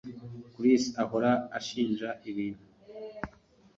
Chris ahora anshinja ibintu